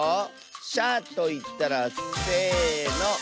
「しゃ」といったらせの。